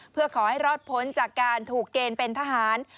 เพื่อขอให้รอดพ้นจากการถูกเกณฑ์เป็นทหาร